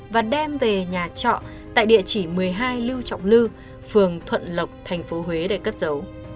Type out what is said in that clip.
và đem về nhà trọ tại địa chỉ một mươi hai lưu trọng lư phường thuận lộc tp huế để cất giấu